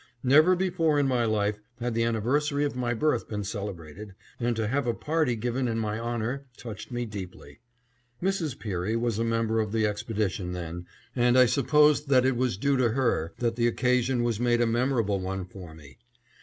Never before in my life had the anniversary of my birth been celebrated, and to have a party given in my honor touched me deeply. Mrs. Peary was a member of the expedition then, and I suppose that it was due to her that the occasion was made a memorable one for me.